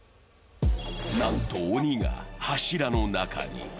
なんと鬼が柱の中に。